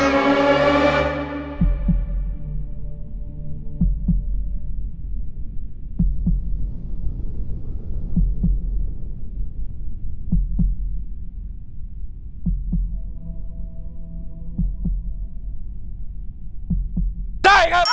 สุดท้ายครับ